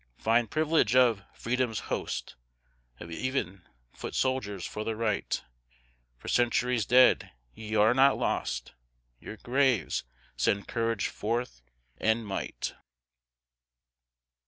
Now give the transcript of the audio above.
Fine privilege of Freedom's host, Of even foot soldiers for the Right! For centuries dead, ye are not lost, Your graves send courage forth, and might.